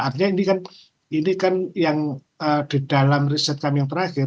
artinya ini kan ini kan yang di dalam riset kami yang terakhir